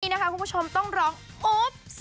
นี่นะคะคุณผู้ชมต้องร้องอุ๊บ